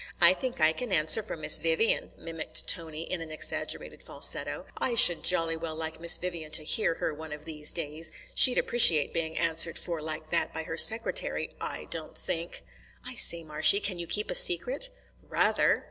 'I think I can answer for Miss Vivian,'" mimicked Tony in an exaggerated falsetto. "I should jolly well like Miss Vivian to hear her one of these days. She'd appreciate being answered for like that by her secretary I don't think!" "I say, Marshy, can you keep a secret?" "Rather!"